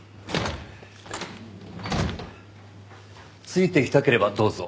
ついてきたければどうぞ。